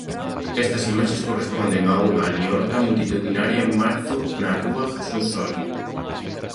Estas imaxes corresponden a unha liorta multitudinaria en marzo na rúa Jesús Soria.